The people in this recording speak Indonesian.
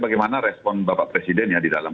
bagaimana respon bapak presiden ya di dalam